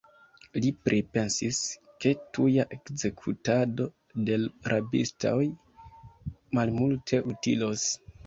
Li pripensis, ke tuja ekzekutado de l' rabistoj malmulte utilos.